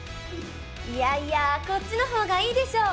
いやいやこっちの方がいいでしょ！